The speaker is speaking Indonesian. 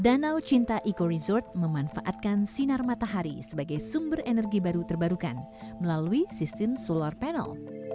danau cinta eco resort memanfaatkan sinar matahari sebagai sumber energi baru terbarukan melalui sistem solar panel